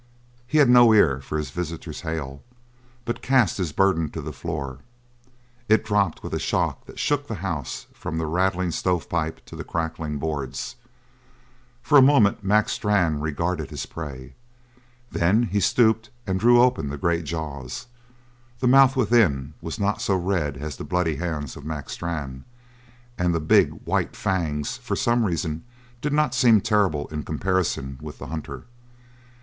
He had no ear for his visitor's hail, but cast his burden to the floor. It dropped with a shock that shook the house from the rattling stove pipe to the crackling boards. For a moment Mac Strann regarded his prey. Then he stooped and drew open the great jaws. The mouth within was not so red as the bloody hands of Mac Strann; and the big, white fangs, for some reason, did not seem terrible in comparison with the hunter.